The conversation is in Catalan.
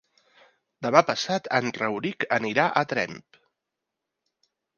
Demà passat en Rauric anirà a Tremp.